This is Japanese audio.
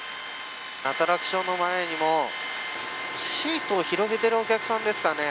アトラクションの前にもシートを広げているお客さんですかね。